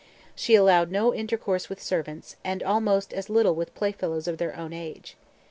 She allowed no intercourse with servants, and almost as little with playfellows of their own age.